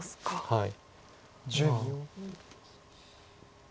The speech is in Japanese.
はい。